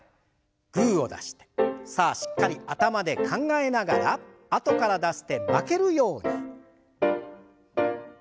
グーを出してさあしっかり頭で考えながらあとから出す手負けるように。